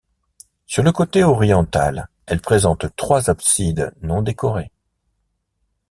Sur le côté oriental, elle présente trois absides non décorées.